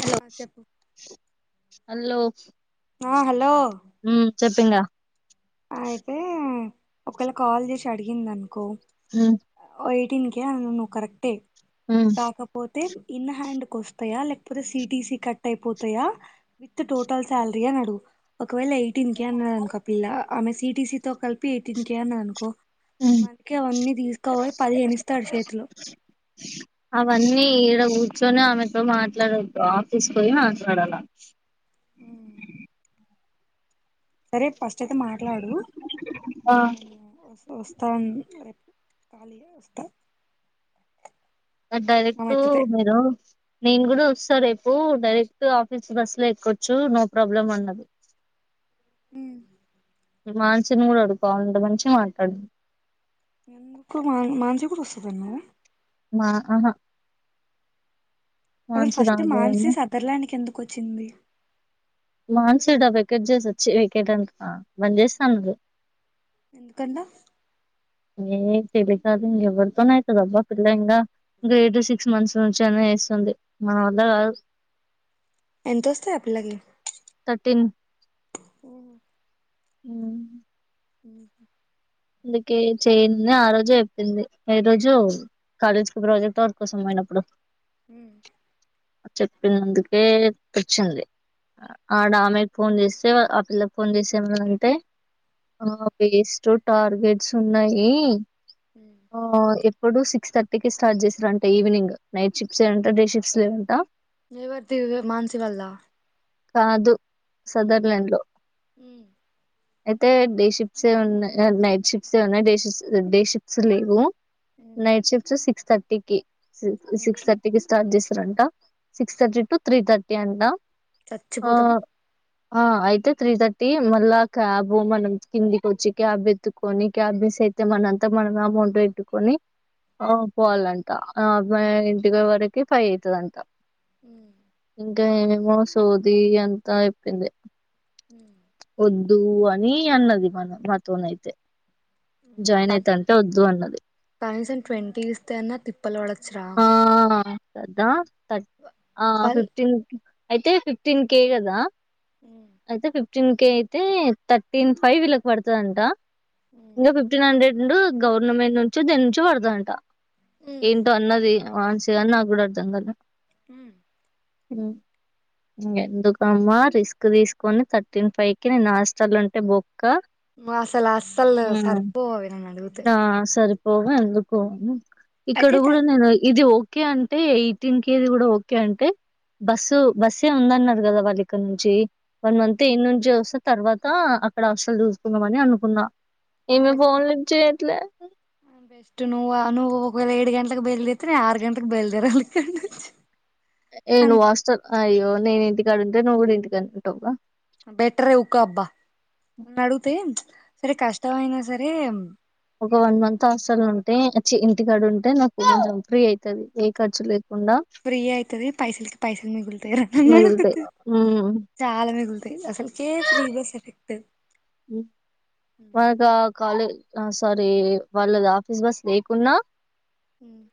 Hello ఆ చెప్పు hello hello హ చెప్పింగా అయితే ఒకవేళ కాల్ చేసి అడిగింది అనుకో హ్మ్ ఎయిటీన్ కే అన్నవ్ నువ్వు కరెక్టే ఉమ్ కాకపోత్ అయితే ఇన్ హ్యాండ్ క వస్తాయా లేకపోతే సిటీసీ కట్ అయిపోతాయా విత్ టోటల్ శాలరీ అనడు ఒకవేళ ఎయిటీన్ కే అన్నాడు అనుకి ఆ పిల్ల ఆమె సిటిసీతో కలిపి ఎయిటీన్కి అన్నా అనుకో మనకి అవన్నీ తీసుకోవయి పదిహేనిస్తాడు చేతిలో న ఈడ కూర్చొని ఆమెతో మాట్లాడద్దు ఆఫీస్ పోయి మాట్లాడాల హ్మ్ సరే ఫస్ట్ అయితే మాట్లాడు హ్మ్ వస్ తం రేప్ కాలేజ్ పోయి వస్తా డైరెక్ట్ ఆమె ఎత్తుతే మీరు నేను కూడా వస్త స రేపు డైరెక్ట్ ఆఫీస్ బస్ లో ఎక్కవచ్చు నో ప్రాబ్లం అన్నది మానుసని కూడా అడుకోవాలంట మంచిగా మాట్లాడు ఎ మా మాంచి కూడా వస్తదంటనా మా ఆహా అసలు మాన్సి ఫస్ట్ రాదేమో మాన్సీస్ సదర్ ల్యాండ్ క ఎందుకు వచ్చింది మాన్స్ డబకెట్ చేసిచ్చి వెకెట్ అంత బంద చేస్తాన్నా ఎందుకంట ఏ తెలి కాదు ఇంక ఎవరితోనే అవుతుదబ్బా పిల్ల ఇంకా గ్రేడ్ సిక్స్ మంత్స్ నుంచి అనే వేస్తుంది మన వల్ల కాదు ఎంత వస్తాయి ఆ పిల్లకి థర్టీన్ ఉమ్ ఉమ్ ఉ అందుకే చేయింది ఆ రోజు చెప్పింది ఏ రోజు కాలేజీకి ప్రాజెక్ట్ వర్ కోసం అయినప్పుడు ఉమ్ ఆ చెప్పినందుకే వచ్చింది ఆడ ఆమెకి ఫోన్ చేస్త స ఆ పిల్ల ఫోన్ చేస మ అంత ఆ పేస్టు టార్గెట్స్ ఉన్నాయి ఓ ఎప్ ఇప్పుడు సిక్స్ థర్టీ క స్టార్ట్ చేసారు అంటే ఈవినింగ్ నైట్షప్స్ ఏంట డేషిప్స్ లే ఏవంటా ఎవరిది మన్సివల్ కాదు ఉ సదర్లాండ్ లో ఉ అయితే డే షిప్ట్స్ ఉన్నా నైట్ షిప్స్ ఉన్నాయి డే షిప్స్ డే షిప్స్ లేవు నైట్ షిఫ్ట్స్ సిక్స్ తట్టి కి సి సిక్స్ థర్టీకి స్టార్ట్ చెస్ రంట సిక్స్ థర్టీ టు త్రీ తర్ అంట ఆ చచ్చిపోతాం ఆ అయితే త్రీ థర్టీ మళ్ళా క్యాబ్ మనం కిందికి వచ్చి క్యాబ్ ఎత్తుకొని క్యాబ్ మిస్ అయితే మనంతా మనం అమౌంట్ పెట్టుకొని పోవాలంట ఇంటి వరకు ఫైవ్ అయ్యితదంట ఇంకా ఏ ఓస్ సోది అంత చెప్పింది ఒద్ దు అని అన్నది మన మాతో అయితే జాయిన్ అయితంటే వద్దు అన్నది కనీసం ట్వంటీ ఇస్తేనే తిప్ మాల్ వడచ్చరా ఆ కదా ఆ ఫిఫ్టీన్ అయితే ఫిఫ్టీన్ కే కదా అయితే ఫిఫ్ కే అయితే థర్టీన్ ఫై వీళ్ళకి పడుతదంట ఇంగ ఫిఫటీన్ హండ్రెడ్ డు గవర్నమెంట్ నుంచి దేని నుంచో పడదంట ఏంటో అన్నది ఆన్ [unintelligible] ఉ ఎందుకమ్మా రిస్ క్ తీసుకొని థర్టీన్ ఫై కి నేను హాస్టల్ ఉంటే బొ అసలు అస్సలు సర్పోవవి నన్నీ అడుగు ఆ సరిపోగ ఎందుకు అని ఇక్కడ కూడా నేను ఇది ఒ ఓకే అంటే ఎయిటీన్ కే కూడా ఓకే అంటే బస్సు బస్సే ఉందన్నారు కదా వాళ్ళు ఇక్కడ నుంచి వన్ మంత్ అయితే ఇన్నం జస తర్వాత అక్కడ అస్టలు చూసుకుందాంమని అనుకున్నా ఇమ పోన్ లే ఎలా బెస్ట్ నువ్ నువవువే ఏడ్ గంటల బయల్దతి ఆరు గంటకి బెల్దరా అ ఏను వాస్టర్ అయ్యో నేనుంటి డుంద నోవుడింది కని ఉ బెట ర కా అబ్బా మడు తె సరే కష్టం అయినా సరే ఒక వన్ మంత్ అసలు ఉ చ్చి ఇంటి కార్డు ఉంటే నాకు కొంచెం ఫ్రీ అవుతుది ఏ ఖర్చు లే ఫ్రీ అవుతుది పైసలకి పైసలు మిగులుతాయి అ మిగులుతాయి ఉమ్ చాలా మిగులు అసలు కే ఫ్రీ బస్ ఎఫెక్ట్ మనకా కాాల ఆ సారీ వాళ్ళ ఆఫీస్ బస్ లేకున్నా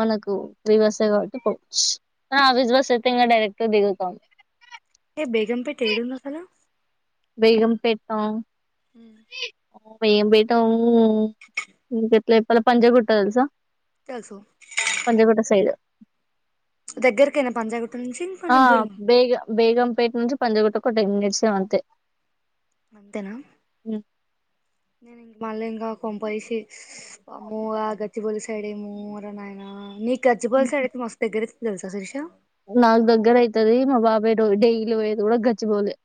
మనకు వి బస్ కాబట్టి పో విజ బస్ అయితే ఇంకా డైరెక్ట్గా దిగుతాంది ఏ బేగంపేఠ ఏడున్న కాల పగంపేట్టం హ మేం బయటాం ఇంక ఎట్లా ఇప్పలా పంజ కుట్టా తెలుసా తెలుసు పంతగట సైడ్ దగ్గరకేనా పంజాగుట్ట నుంచి ఆ కొంచెం దూరమా బేగ బేగంపేట నుంచి పంజగట కొట నిస అంత అంతేనా నేను ఇక మళ్ళం ఇంకా కొంపైసీ ము ఆ గచ్చపోలి సైడ్ మోర నానా న గజబల్డతే మస్తగ్ర చల్సా సుర్షా నాకు దగ్గర అయితది మా బాబాయ్య డెలీ పోయేది కూడా గచ్చిపోలేదు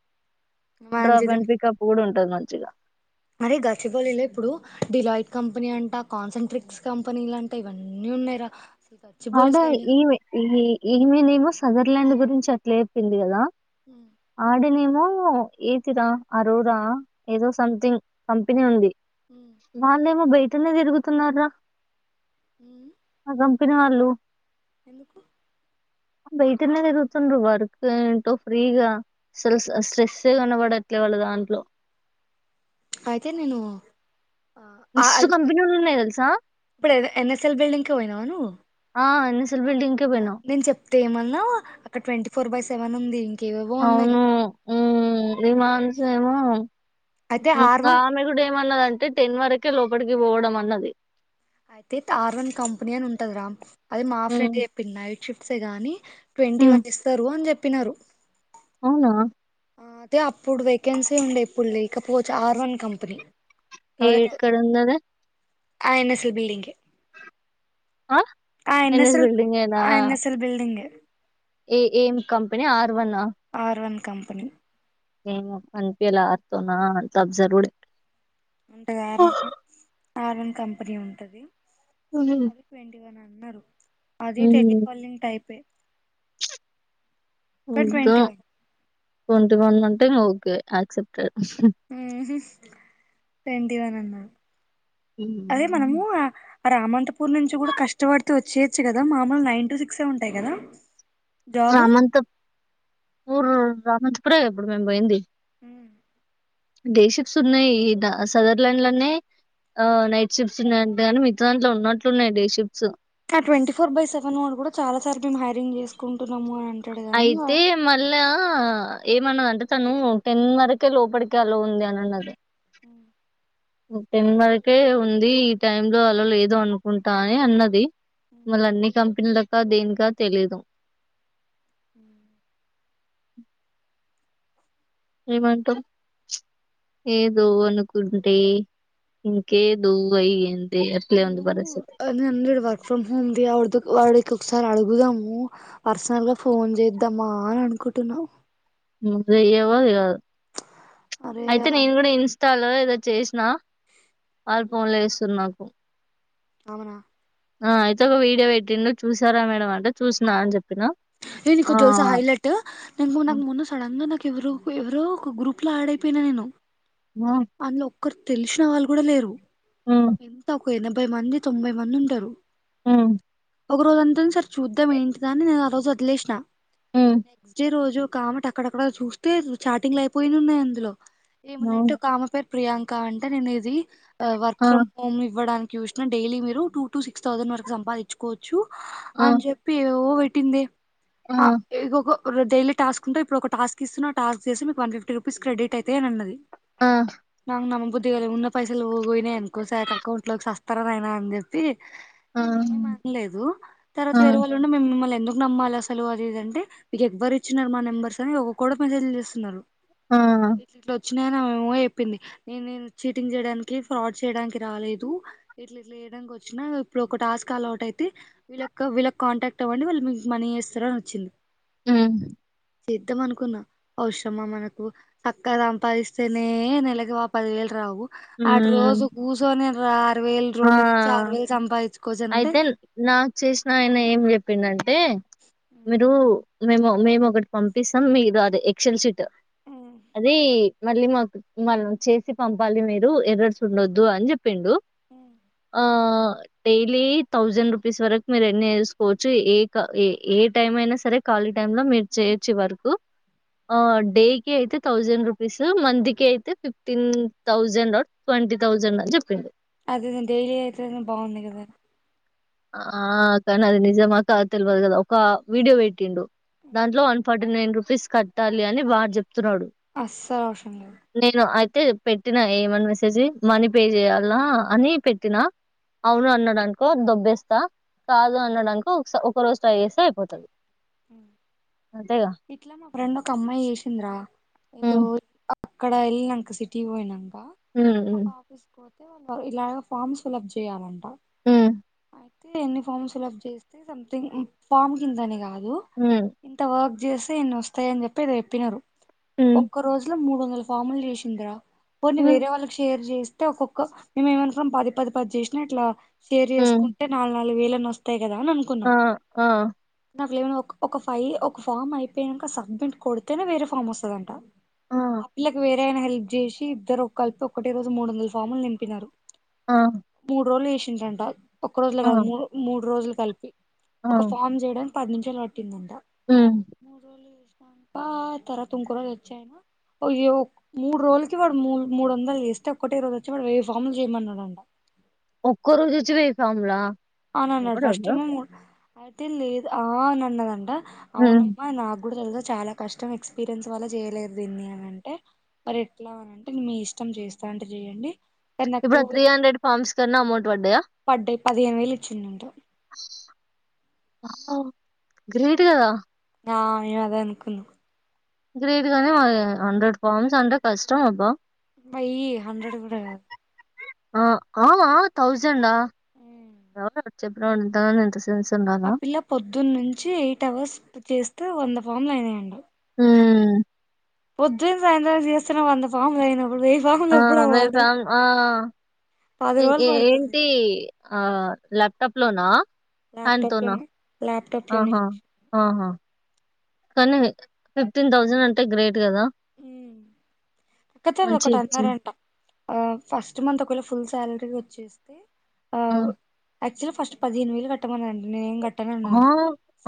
డ్రాప్ అండ్ పిికప్ కూడా ఉంటుది మంచి చ్చగా మరే గచ్చిపలిలో ఇప్పుడు డిలాయిట్ కంపెనీ అంట కాన్సన్ట్రేట్స్ కంపెనీలు అంటా ఇవన్నీ ఉన్నాయిరా అడా ఈ ఈ మలిమో సగ ఇట్లాండ్ గురించి అట్లా చెప్పింది కదా ఆడిని ఏతిరా అరోరా ఏదో సంథింగ్ కంపెనీ ఉంది మా అన్న ఏమో బె అంటనే తిరుగుతున్నారా ఉమ్ పిన్ని వాళ్ళు ఎందుకు బయటనే తిరుగుతుండ వర్క్ ఏంటో ఫ్రీగా అసలు స్ట్రెస్ కనబడట్లే వాళ్ళు దాంట్లో అయితే నేను ఆ మస్తు కంపెనీలు ఉన్నాయి స ఇప్పుడు ఎన్ఎస్ఎల్ బిల్డింగ్ క ఏ పోయినావ ను అవును నేను చెప్తే ఏమన్నావ్ అక్కడ ట్వంటీ ఫోర్ బై సెవెన్ ఉంది ఇంకేవేవో ఉన్నాయి అవును విమాను స ఏమమె అయితే ఆర్ వన్ గు అన్నది అంటే టెన్ వరకే లోపలికి పోవడం అన్నది అయితే టర్ వన్ కంపెనీ అని ఉంటదిరా అది మా ఫ్రెండ్ హ్మ్ చెప్పింది నైట్ షిఫ్ట్ సే గాని ట్వంటీ హ్మ్ వన్ ఇస్తారు అని చెప్ప చెప్పినారు అవునా అదె అప్పుడు వేకెన్సీ ఉండే ఎప్పుడు లేకపోవచ్చు ఆర్ వన్ కంపెనీ ఏ కాబట్టి క్కడుందది ఆ [unintelligible] బిల్డింగ్ ఆ ఆ ఎన్ఎస్ ఎన్నసల్ బిల్డింగ్ ఏనా ఆ ఎన్నసలు బల్డింగే ఏ ఏం కంపెనీ ఆర్ దువన్నా ఆర్ వన్ కంపెనీ ఏమో అన్పియ్యలా ఆతోనా అంత అబ్జర్వ్డ్ వంటగారం ఆర్వన్ కంపెనీ ఉంటుంది హ్మ్ అది ట్వంటీ వన్ అన్నారు అది టెలికాలింక్ టైపే కానీ ఉద్దో ట్వంటీ వన్ ట్వంటి వన్ టుం ఓకే యాక్సెప్టెడ్ ఉహు ట్వంటీ వన్ అన అదే మనము హ్మ్. ఆ రామంతపూర్ నుంచి కూడా కష్టపడితే వచ్చేయచ్చు కదా మామూల్ నైన్ టు సిక్స్యె ఉంటయ్ కదా జాబ్ రామంత పుర్ రామాంతపురే ఎబ్బుడు మేమ్ పోయింది. హ్మ్ డే షిఫ్ట్స్ ఉన్నయ్ ఇ ద సదర్లాండ్ లోనే, ఆ నైట్ షిఫ్ట్స్ ఉన్నాయంటేకానీ మిత్త దాంట్లో ఉన్నట్లున్నాయి డే షిఫ్ట్స్ కా ట్వంటీ ఫోర్ బై సెవెన్ వాళ్లు కూడా చాలా సార్ల్ గింగ్ హైరింగ్ చేసుకుంట్ రమ్ము అని అంటడు గానీ ఆ ఆ ఏమన్నదంటే తను టెన్ వరకే లోపడికి అల్లో ఉంది అని అన్నది. హు ఒక్ టెన్ వరకే ఉంది ఈ టైమ్ లో అలో లేదు అనుకుంటా అని అన్నది, మళ్ళ అన్ని కంపెనీలకా దినికా తెలీదు. ఏమంటావ్, ఏదో అనుకుంటే ఇంకేదో అయ్ నేను ఆ నేనుండ్ర్ వర్క్ ఫ్రమ్ హోమ్ ది అవుడ్దుక్ వాడ్ కుక్ సారి అడుగుదాము పర్సనల్ గా ఫోన్ చేద్దామా అనుకుంటున్న ను చెయ్యవు కాదు అరే అయితే నేను కూడా ఇంస్ స్టలో ఏదో చేస్నా వాళ్లు ఫోన్లు చేస్సున్నారు నాకు అవునా ఆ అయితే ఒక వీడియో పెట్టిండు చూసారా మేడమ్ అంటే చూస్నా అని చెప్పినా హే నికోటి థెల్సా హైలెట్ నేన్ మొన్నక్ హ్మ్. ముందు సడెన్ గ నాక్ కెవరో ఎవరో ఒక గ్రూప్ లో యాడ్ అయిపెయ్ నా నేను వావ్ ఒకర్ తెల్సినా వాళ్ళు కూడా లేరు. హ్మ్. ఎంత ఒక ఎనభై మంది తొంభై మంది ఉంటరు. హు ఒక రోజంతన్ సర్ చూద్దాం ఏంటిద అని నేను ఆ రోజు వదిలేస్నా హ్మ్. నెక్స్ట్ డే రోజు కాబట్టి అక్కడక్కడ చూస్తే చాటింగ్ లు అయిపోయినునన్నయ్ అందులో ఏమున్నాంటో హ్మ్. నా పేరు ప్రియాంక అంటే నేను ఇది వర్క్ ఆ! ఫ్రమ్ హోమ్ ఇవ్వడా చుస్నా డైలీ మీరు టూ టు సిక్స్ థౌసండ్ వరకు సంపాదించుకోవచ్చు. ఆ! అని చెప్పి ఏవో టిందె ఆ ఎగొకొ కొరొ డైలీ టాస్క్ ఉంటది ఇప్పుడు ఒక టాస్క్ ఇస్సున్నా, ఆ టాస్క్ చేసే వన్ ఫిఫ్టీ రూపీస్ క్రెడిట్ అయితె అని అన్నది. ఆ నాకు నమ్మబుద్ధి కాలే ఉన్న పైసల్ యినా ఎనుకోస అౌంట్లోకి సస్త ఉత్తరనైనా అని చెప్పి ఆ! నేను ఏం అనలేదు తర్వాత ఆ! వేరే వాళ్ళు ఆ! ఉండే మేము మిమ్మల్ని ఎందు నమ్మాలి అసలు అదిదంటే మీకు ఎవ్వరు ఇచ్చినన్నారు మా నెంబర్స్ అని ఒకకాలు మెసేజ్ చేస్తున్నారు ఇట్ ఓత్ వచ్చినా నావోయ్ చెప్పింది నేను నేను చీటింగ్ చేయడానికి ఫ్రాడ్ చేయడానికి రాలేదు ఇట్లా ఇట్లా చేయడానికి వచ్చిన ఇప్పుడు ఒక టాస్క్ అల అౌట్ అయితే వీళ్ళ వీళ్కి కాంటాక్ట్ అవ్వండి వాళ్ళు మీకు మనీ చేస్తార అని వచ్చింది ఆ చేద్ద్దం అనుకున్నా అఔషరమా మనకు చక్కగా సంపాదిస్తేనే ఇలగవా పదివేలు రావు అటు హ్మ్. రోజు కూర్చొనిను ఆరు వేలు ఆ! రెండు నుంచి ఆరు వేలు సంపాదించుకోవచ్చాన అంటే పిన్నండి అంటే మీరు మేము మేము ఒకటి పంపిస్తాం మీది గాదే ఎక్సల్ సిట్ ట్ అదే మళ్ళీ మాకు మనం చేసి పంపాలి మీద ఎరడు సున్నాొద్దు అన్బ్ ప్ పిండు ఆ అదేలే థౌసండ్ రుపిస్ వరకు మీరు ఎన్ని చేసుకోవచ్చు ఏక పట్తామే అయిన సరే కాలిటైంలో మేరు చేయచ్చు వర్క్ ఆడేకే అయితే ధా సండ్ రుపిస్మంతకి అయితే ఫిఫ్ట్ న్ థౌసంన్డ్ ట్వంటీ థౌసండ్ అని చెప్పిండు అద డైలీ యితే బాగుంది కదా ఆ కానీ అది నిజమాక తెలియదు కదా ఒక వీడియో పెట్టిండు దాంట్లో one forty nine rupees కట్టాలి అని వార్ చెప్ తున్నాడు అస్సలు అవసరం లేదు నేను అే పెట్టినా ఏమని మెసేజ్ మనీ పే చేయాలనా అని పెట్టినా అవును అన్నాడాంట కొద్ద బెస్ట్ కాదు అనడానికి ఒక రోజు ట్రై చేస్తే అయిపోతది అంతేగా ఇట్లా మా ఫ్రెండ్ ఒక అమ్మాయి చేసింద్రా ఏదో ఉమ్ అక్కడ వెళ్ళిం నాక సిటీ పోయినాక హ అయితే ఇలాగ ఫామ్స్ ఫిల్ప్ చేయ్యాలంట అయితే ఎన్ని ఫామ్స్ ఫిల్ప్ చేస్తే సంథింగ్ ఫామ్ కిందని కాదు ఉమ్ ఇంతవ చేస్తసి ఎన్ని వస్తాయ అని చెప్పి అది చెప్పినారు ఉమ్ ఒక్క రోజు లో మూడు ఫమల్ రేషింద్రా కొన్ని ఉమ్, వేరే వాళ్ళకి షేర్ చేస్త అే ఒక్కొక్క మేముేమనుకున్నాం పది పది పది చేసినా అట్లా సేర్ ఉమ్, చేేసుకుంటే నాలుగు నాలుగు వేల నస్తయి ఆ ఆ నాకు లేమన్నా ఒక ఫై ఒక ఫామ్ అయిపోయాక సబ్మిట్ కొడితేనే వేరే ఫామ్ వస్తుందంట ఆ ఆిలాకవేర ఆయన హెల్ప్ చేసి ఇద్దరు ఒక కలిపి ఒకటి రోజు మూడు వందల ఫార్ములు నింపినారు ఆ మూడు రోజలు ఇష్ట రం ఒక రోజులు ఆ కాదు మూ మూడు రోజులు సెల్ఫీ ఆ ఒక ఫామ్ చేయడం పది నుంచే టిందంట ఉమ్ మూడుోళ పం తర్వాత ఇంకో రోజు వచ్చాయన మూడు రోజులకి వాడుూ మూడు వందలు చేస్తే ఒక్కటే రోజు వచ్చి వాడు వెయ్యి ఫార్ములు చేయమన్నాడంట ఒక్కో రోజు వచ్చి వే కాంలా అవున అన్నాడు ఫస్ట్ టైమ అయితే లేదు ఆ నన్నదం ఉమ్ అవునమ్ నా కూడా తెలుసా చాలా కష్టం ఎక్స్పీరియన్స్ వల్ల చేయలేదు దీన్ని అని అంటే మరి ఎట్లా అనింటే మీ ఇష్టం చేస్తా అంటే చెయండి ఇప్పుడు త్రీ హండ్రెడ్ ఫార్మ్స్ కన్నా అమౌంట్ పడ్డాయా పదియంని వైలు చిన్నంట గ్రేట్ కదా నా అయ అదా అనుకును గ్రేట్ గానే మా హండ్రెడ్ ఫార్మ్స్ అంటే కష్టం అబ్బా బయి హండ్రెడ్ కూడా ఆ అ థౌజంా ఆ చ్చ పను దంట ఆ పిల్ల పొద్దున్న నుంచి ఎయిట్ అవర్స్ చేస్త వంద ఫామ్లు అయినాండు ఆ పొద్దు సాయంత్రం చేస్తస్తున్నా వంద ఫం ఆ మే ఫమ్ ఆ పది రోజులు పడుతది ఏంటి ఆ ల్యాప్టాప్ లోనా అతు ల్యాప్టాప్ నా లోనే ల్యాప్టాప్ లోనే ఆహా ఆహా కన్నా ఫిటీన్ తౌసండ్ అంటే గ్రేట్ కదా ఆమ్ అక్క చాల [unintelligible] మంచి ఒకటి ఇచ్చి అన్నారంట ఆ ఫస్ట్ మంత్ ఒకవేళ ఫుల్ శాలరీ వచ్చేస్తే ఆమ్ ఆక్చవల్ ఫస్ట్ పదిహేను వేలు కట్టమానరంటనే పట్టనే ఆ! ఉన్నాండి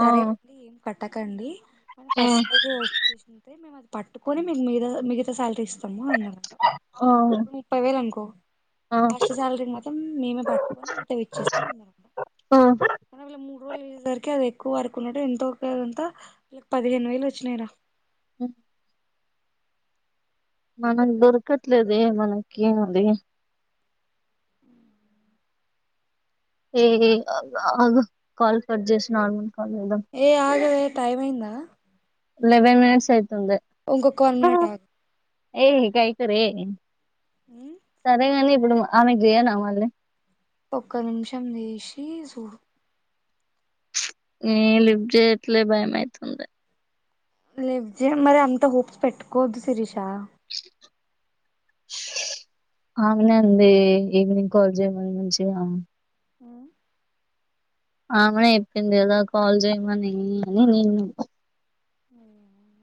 [unintelligible] ఆ! సరే అండి కట్టకండి మ ఆ! ఫస్ట్ స వచ్చేసింటే మేముది పట్టుకని మీకు మిగతా శాలరీ ఇస్తంది ఆ! ఇప్పు ముప్పై వేలు అనుకో ఆ! ఫస్ట్ శాలరీ మాత్రం మేమే పట్టుకొని మిగతావి ఇచ్చేస్తాం అన్నారంట ఆ! కానీ వీళ్ళ మూడు రోజులు [unintelligible] వేసేసరికి అది ఎక్కువ వరకున్నట్టు ఎంతోంతా పదిహేను వేలు వచ్చినాయిరా ఓ మనకి దొరకట్లేదే మనకి అది ఏ హే ఆగు కాల్ చేసినావు ఆగు ఏ ఆగవే టైమ్ అయిందా లెవెన్ మినిట్స్ అయి ఉంకో వన్ మినట్ ఆగు హేయ్ కైకోరే సరేగాని ఇప్పుడు ఆమెకి చెయ్యనా మల్లీ ఒక్క నిమిషం చేసి చూడు ఏ లిఫ్ చేయట్లేదే భయం అయితుందే లిఫ్ట్ చేయి మరి అంత హోప్స్ పెట్టుకోవద్దు శిరీష అమెనే అంది ఈవినింగ్ కాల్ చెయ్యి మంచిగా అని ఆ [inaudible] ఆమె చెప్పింది కదా కాల్ చేయమని అని నేను ఏమో